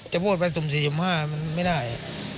จะพูดไป๔๕มันไม่ได้